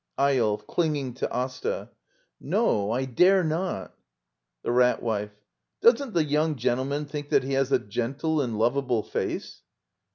Eyolf. [Clinging to Asta.] No, I dare not The Rat Wife. Doesn't the young gentleman think that he has a gentle and lovable face?